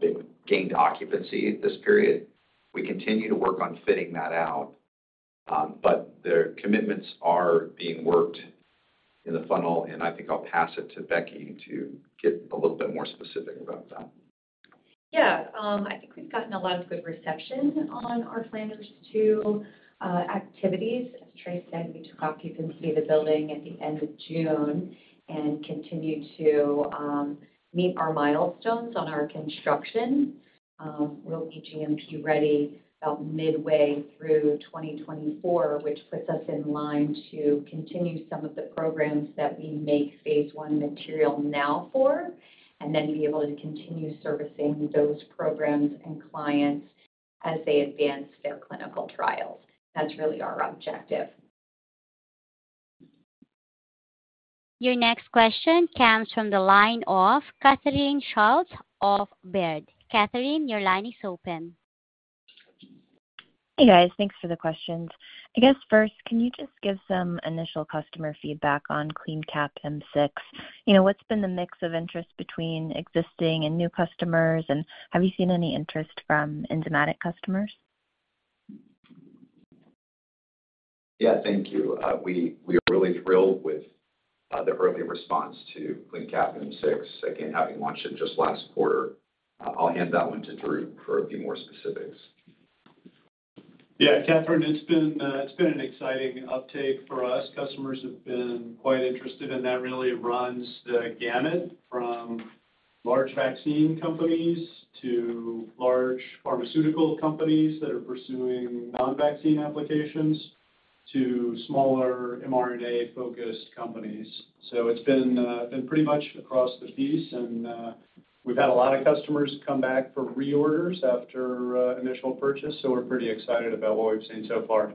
been gained occupancy this period. We continue to work on fitting that out, the commitments are being worked in the funnel, I think I'll pass it to Becky to get a little bit more specific about that. Yeah. I think we've gotten a lot of good reception on our Flanders 2 activities. As Trey said, we took occupancy of the building at the end of June and continued to meet our milestones on our construction. We'll be GMP-ready about midway through 2024, which puts us in line to continue some of the programs that we make phase 1 material now for, and then be able to continue servicing those programs and clients as they advance their clinical trials. That's really our objective. Your next question comes from the line of Catherine Schulte of Baird. Katherine, your line is open. Hey, guys. Thanks for the questions. I guess first, can you just give some initial customer feedback on CleanCap M6? You know, what's been the mix of interest between existing and new customers, and have you seen any interest from enzymatic customers?... Yeah, thank you. We, we are really thrilled with the early response to CleanCap M6. Again, having launched it just last quarter. I'll hand that one to Drew for a few more specifics. Yeah, Catherine, it's been, it's been an exciting uptake for us. Customers have been quite interested, and that really runs the gamut from large vaccine companies to large pharmaceutical companies that are pursuing non-vaccine applications, to smaller mRNA-focused companies. It's been, been pretty much across the piece, and we've had a lot of customers come back for reorders after initial purchase, so we're pretty excited about what we've seen so far.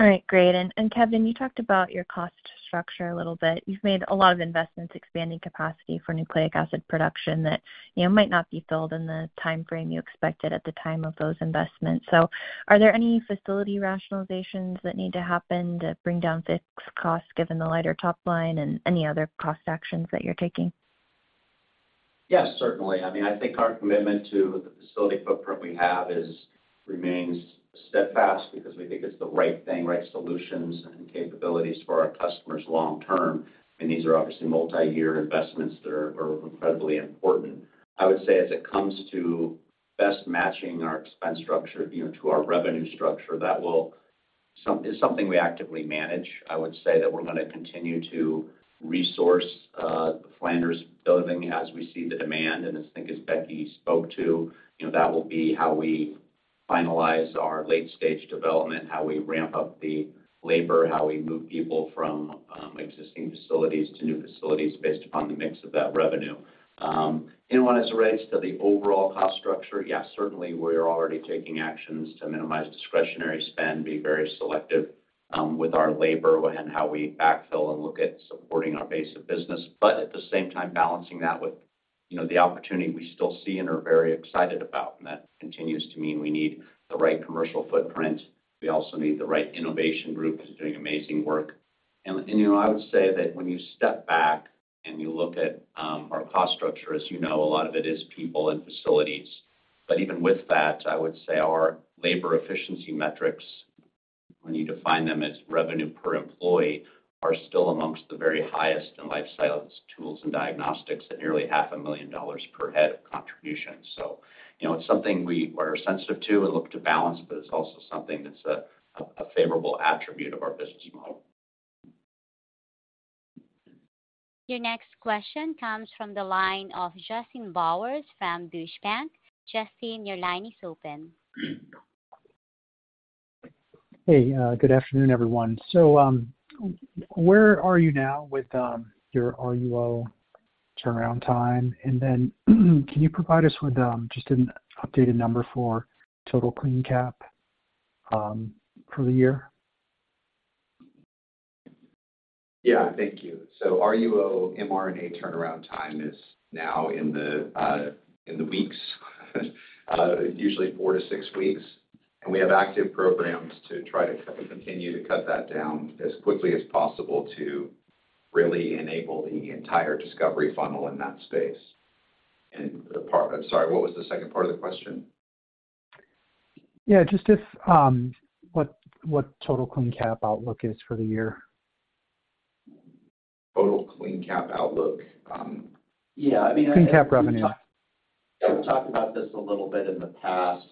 All right, great. Kevin, you talked about your cost structure a little bit. You've made a lot of investments expanding capacity for nucleic acid production that, you know, might not be filled in the timeframe you expected at the time of those investments. Are there any facility rationalizations that need to happen to bring down fixed costs, given the lighter top line and any other cost actions that you're taking? Yes, certainly. I mean, I think our commitment to the facility footprint we have remains steadfast because we think it's the right thing, right solutions and capabilities for our customers long term, and these are obviously multiyear investments that are, are incredibly important. I would say as it comes to best matching our expense structure, you know, to our revenue structure, that will is something we actively manage. I would say that we're going to continue to resource the Flanders building as we see the demand. I think as Becky spoke to, you know, that will be how we finalize our late-stage development, how we ramp up the labor, how we move people from existing facilities to new facilities based upon the mix of that revenue. Anyone as it relates to the overall cost structure, yes, certainly we are already taking actions to minimize discretionary spend, be very selective with our labor and how we backfill and look at supporting our base of business, but at the same time balancing that with, you know, the opportunity we still see and are very excited about. That continues to mean we need the right commercial footprint. We also need the right innovation group, who's doing amazing work. You know, I would say that when you step back and you look at our cost structure, as you know, a lot of it is people and facilities. Even with that, I would say our labor efficiency metrics, when you define them as revenue per employee, are still amongst the very highest in life science tools and diagnostics at nearly $500,000 per head of contribution. You know, it's something we are sensitive to and look to balance, but it's also something that's a favorable attribute of our business model. Your next question comes from the line of Justin Bowers from Deutsche Bank. Justin, your line is open. Hey, good afternoon, everyone. Where are you now with your RUO turnaround time? Can you provide us with just an updated number for total CleanCap for the year? Yeah, thank you. RUO mRNA turnaround time is now in the weeks, usually four to six weeks, and we have active programs to try to continue to cut that down as quickly as possible to really enable the entire discovery funnel in that space. The part-- I'm sorry, what was the second part of the question? Yeah, just if, what total CleanCap outlook is for the year? Total CleanCap outlook, yeah, I mean- CleanCap revenue. I've talked about this a little bit in the past.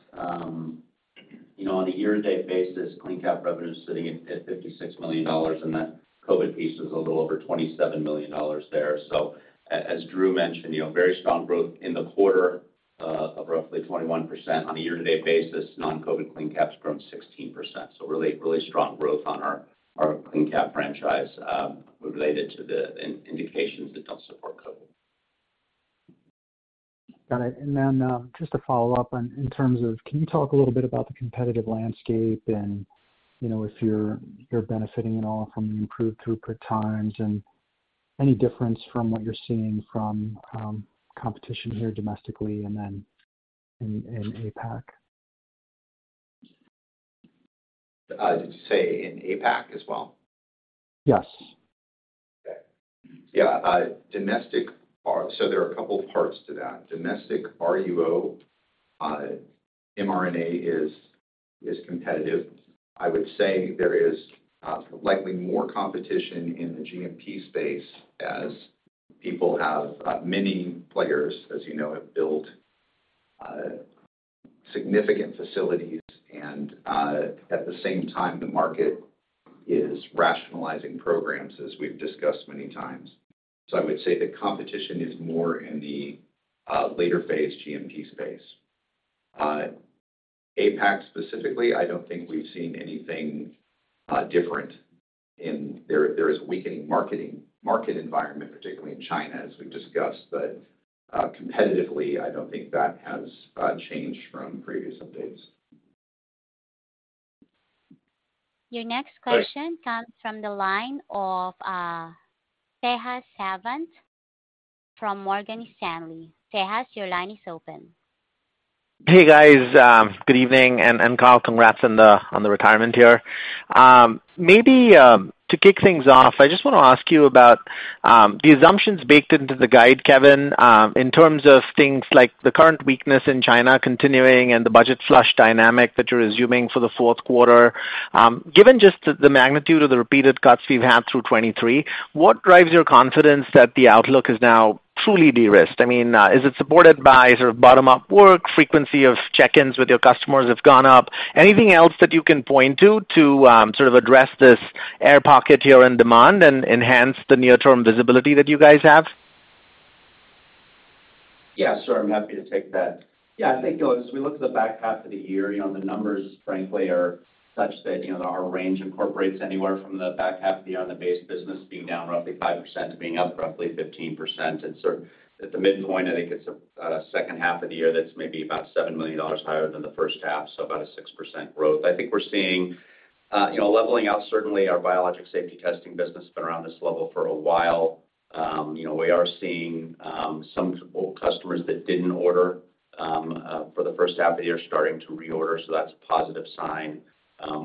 you know, on a year-to-date basis, CleanCap revenue is sitting at, at $56 million, and that COVID piece is a little over $27 million there. As Drew mentioned, you know, very strong growth in the quarter, of roughly 21%. On a year-to-date basis, non-COVID CleanCap's grown 16%. Really, really strong growth on our, our CleanCap franchise, related to the indications that don't support COVID. Got it. Just to follow up on, in terms of... Can you talk a little bit about the competitive landscape and, you know, if you're, you're benefiting at all from improved throughput times, and any difference from what you're seeing from competition here domestically and then in APAC? Did you say in APAC as well? Yes. Okay. Yeah, domestic. There are a couple of parts to that. Domestic RUO, mRNA is competitive. I would say there is likely more competition in the GMP space, as people have many players, as you know, have built significant facilities. At the same time, the market is rationalizing programs, as we've discussed many times. I would say the competition is more in the later-phase GMP space. APAC specifically, I don't think we've seen anything different in there. There is a weakening marketing, market environment, particularly in China, as we've discussed, but competitively, I don't think that has changed from previous updates. Your next question comes from the line of Tejas Savant from Morgan Stanley. Tejas, your line is open. Hey, guys, good evening. Carl, congrats on the retirement here. Maybe, to kick things off, I just want to ask you about the assumptions baked into the guide, Kevin, in terms of things like the current weakness in China continuing and the budget flush dynamic that you're assuming for the fourth quarter. Given just the magnitude of the repeated cuts we've had through 2023, what drives your confidence that the outlook is now truly de-risked? I mean, is it supported by sort of bottom-up work, frequency of check-ins with your customers have gone up? Anything else that you can point to, to sort of address this air pocket here in demand and enhance the near-term visibility that you guys have? Yeah, sure. I'm happy to take that. I think, as we look at the back half of the year, the numbers, frankly, are such that our range incorporates anywhere from the back half of the year on the base business being down roughly 5% to being up roughly 15%. At the midpoint, I think it's a second half of the year that's maybe about $7 million higher than the first half, so about a 6% growth. I think we're seeing leveling out, certainly our Biologics Safety Testing business has been around this level for a while. We are seeing some customers that didn't order for the first half of the year starting to reorder, so that's a positive sign.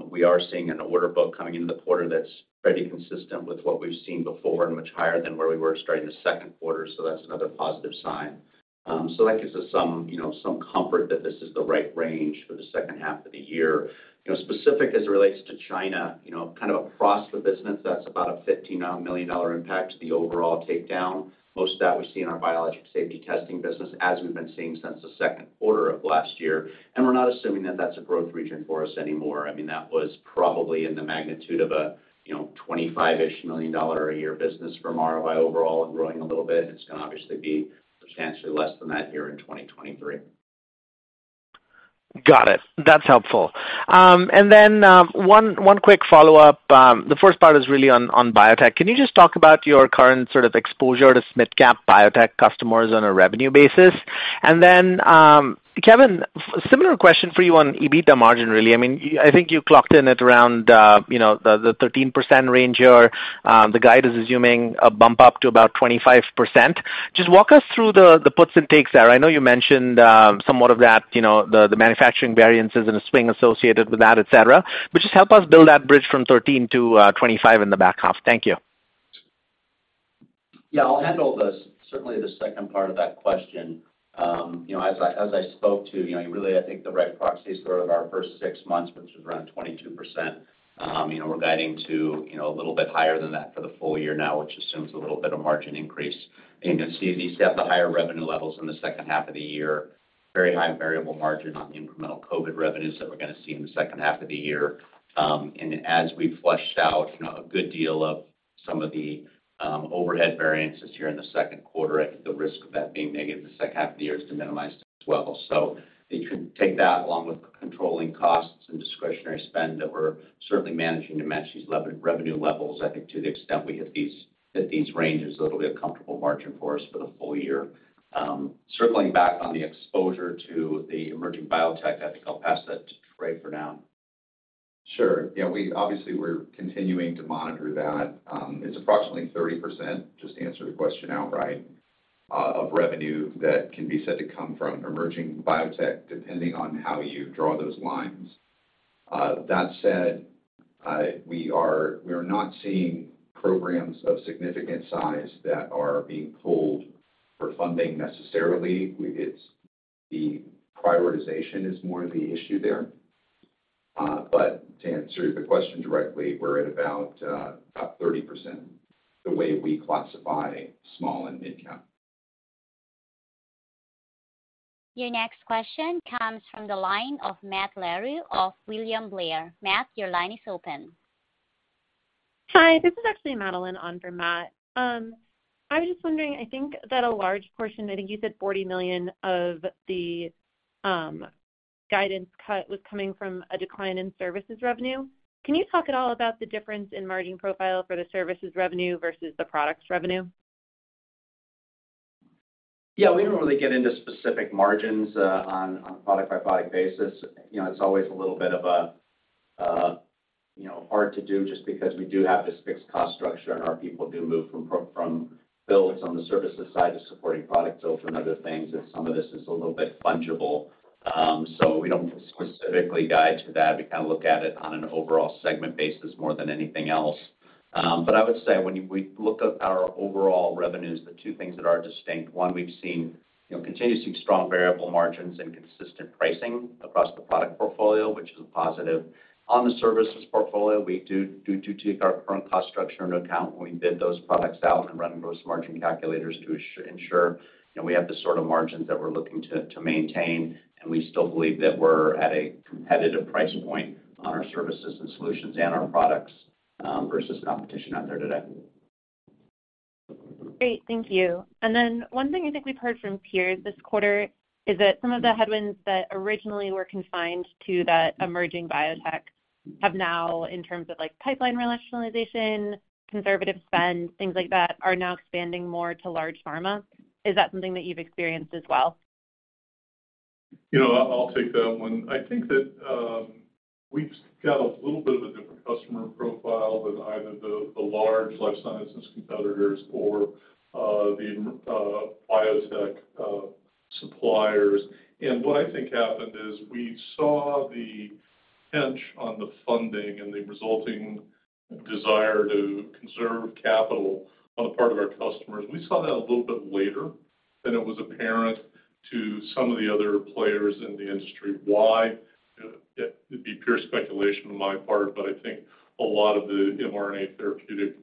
We are seeing an order book coming into the quarter that's pretty consistent with what we've seen before and much higher than where we were starting the second quarter, so that's another positive sign. That gives us some, you know, some comfort that this is the right range for the second half of the year. You know, specific as it relates to China, you know, kind of across the business, that's about a $15 million impact to the overall takedown. Most of that we see in our Biologics Safety Testing business, as we've been seeing since the second quarter of last year, and we're not assuming that that's a growth region for us anymore. I mean, that was probably in the magnitude of a, you know, $25-ish million a year business for MRVI overall and growing a little bit. It's going to obviously be substantially less than that here in 2023. Got it. That's helpful. And then, one, one quick follow-up, the first part is really on biotech. Can you just talk about your current sort of exposure to midcap biotech customers on a revenue basis? And then, Kevin, similar question for you on EBITDA margin, really. I mean, I think you clocked in at around the 13% range here. The guide is assuming a bump up to about 25%. Just walk us through the puts and takes there. I know you mentioned somewhat of that, the manufacturing variances and a swing associated with that, etc. But just help us build that bridge from 13 to 25 in the back half. Thank you. Yeah, I'll handle the, certainly the second part of that question. you know, as I, as I spoke to, you know, really, I think the right proxy is sort of our first six months, which is around 22%. you know, we're guiding to, you know, a little bit higher than that for the full year now, which assumes a little bit of margin increase. I think you'll see as we set the higher revenue levels in the second half of the year, very high variable margin on the incremental COVID revenues that we're going to see in the second half of the year. As we flushed out, you know, a good deal of some of the overhead variances here in the second quarter, I think the risk of that being negative in the second half of the year is to minimized as well. If you take that, along with controlling costs and discretionary spend, that we're certainly managing to match these revenue levels, I think to the extent we hit these, hit these ranges, it'll be a comfortable margin for us for the full year. Circling back on the exposure to the emerging biotech, I think I'll pass that to Ray for now. Sure. Yeah, we obviously, we're continuing to monitor that. It's approximately 30%, just to answer the question outright, of revenue that can be said to come from emerging biotech, depending on how you draw those lines. We are, we are not seeing programs of significant size that are being pulled for funding necessarily. It's the prioritization is more of the issue there. To answer the question directly, we're at about, about 30%, the way we classify small and midcap. Your next question comes from the line of Matt from William Blair Matt your line is open. I was just wondering, I think that a large portion, I think you said $40 million of the guidance cut was coming from a decline in services revenue. Can you talk at all about the difference in margin profile for the services revenue versus the products revenue?our line is open. Hi, this is actually Madeline on for Matt. I was just wondering, I think that a large portion, I think you said $40 million of the guidance cut was coming from a decline in services revenue. Can you talk at all about the difference in margin profile for the services revenue versus the products revenue? Yeah, we don't really get into specific margins, on, on a product-by-product basis. You know, it's always a little bit of a, you know, hard to do just because we do have this fixed cost structure, and our people do move from builds on the services side to supporting product builds and other things, and some of this is a little bit fungible. So we don't specifically guide to that. We kind of look at it on an overall segment basis more than anything else. But I would say when we look at our overall revenues, the two things that are distinct: one, we've seen, you know, continue to see strong variable margins and consistent pricing across the product portfolio, which is a positive. On the services portfolio, we do take our current cost structure into account when we bid those products out and run those margin calculators to ensure, you know, we have the sort of margins that we're looking to, to maintain, and we still believe that we're at a competitive price point on our services and solutions and our products, versus competition out there today. Great. Thank you. Then one thing I think we've heard from peers this quarter is that some of the headwinds that originally were confined to that emerging biotech have now, in terms of, like, pipeline rationalization, conservative spend, things like that, are now expanding more to large pharma. Is that something that you've experienced as well? ... You know, I'll take that one. I think that, we've got a little bit of a different customer profile than either the, the large life sciences competitors or, the, biotech, suppliers. What I think happened is we saw the pinch on the funding and the resulting desire to conserve capital on the part of our customers. We saw that a little bit later, and it was apparent to some of the other players in the industry. Why? It, it would be pure speculation on my part, but I think a lot of the mRNA therapeutic,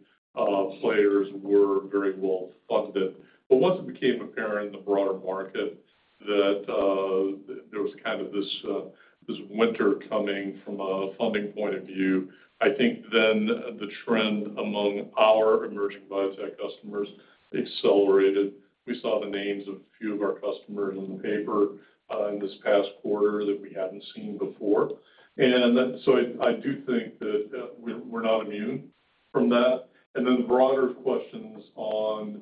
players were very well-funded. Once it became apparent in the broader market that, there was kind of this, this winter coming from a funding point of view, I think then the trend among our emerging biotech customers accelerated. We saw the names of a few of our customers in the paper, in this past quarter that we hadn't seen before. So I, I do think that we're, we're not immune from that. Then the broader questions on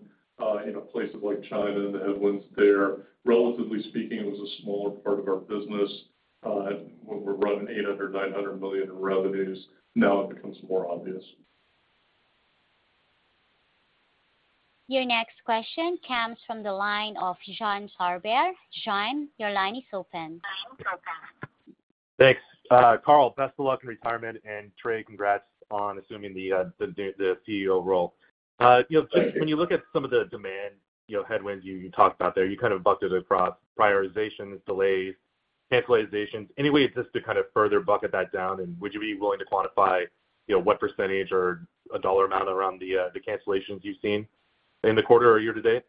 in a place like China and the headwinds there, relatively speaking, it was a smaller part of our business. When we're running $800 million-$900 million in revenues, now it becomes more obvious. Your next question comes from the line of John Sourbeer, John, your line is open. Thanks. Carl, best of luck in retirement, Trey, congrats on assuming the CEO role. You know, when you look at some of the demand, you know, headwinds you, you talked about there, you kind of bucketed it across prioritizations, delays, cancellations. Any way just to kind of further bucket that down, and would you be willing to quantify, you know, what % or a dollar amount around the cancellations you've seen in the quarter or year to date?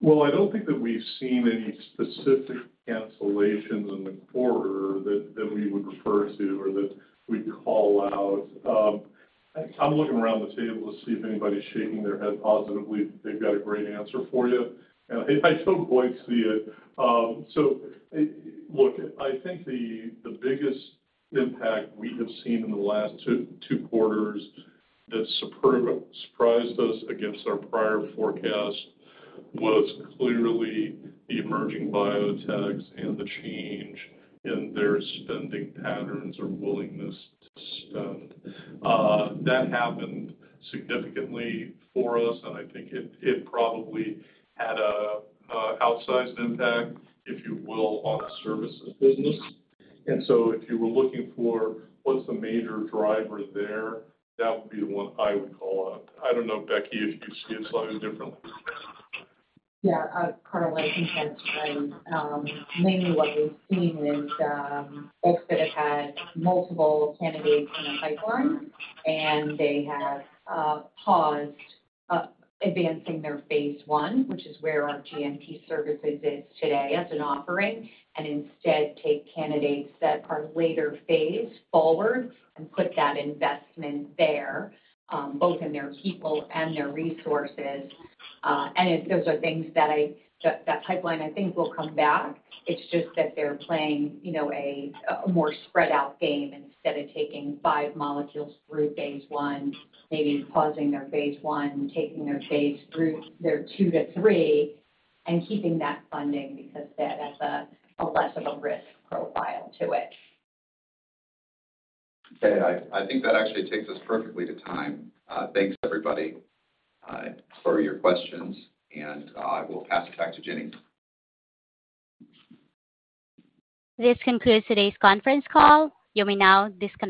Well, I don't think that we've seen any specific cancellations in the quarter that, that we would refer to or that we'd call out. I'm looking around the table to see if anybody's shaking their head positively, they've got a great answer for you, and I don't quite see it. Look, I think the, the biggest impact we have seen in the last two, two quarters that surprised us against our prior forecast was clearly the emerging biotechs and the change in their spending patterns or willingness to spend. That happened significantly for us, and I think it, it probably had a, a outsized impact, if you will, on the services business. If you were looking for what's the major driver there, that would be the one I would call out. I don't know, Becky, if you see it slightly differently. Yeah, Carl, I think that's right. Mainly what we've seen is, folks that have had multiple candidates in their pipeline, they have paused advancing their phase 1, which is where our GMP services is today as an offering, and instead take candidates that are later phase forward and put that investment there, both in their people and their resources. Those are things that I-- That pipeline, I think, will come back. It's just that they're playing, you know, a more spread out game instead of taking 5 molecules through phase 1, maybe pausing their phase 1, taking their phase through their 2 to 3, and keeping that funding because that, that's a less of a risk profile to it. Okay. I think that actually takes us perfectly to time. Thanks, everybody, for your questions. I will pass it back to Jenny. This concludes today's conference call. You may now disconnect.